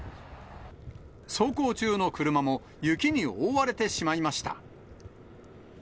走行中の車も、雪に覆われてしまいました。